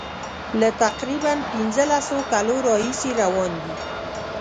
له تقریبا پنځلسو کالو راهیسي روان دي.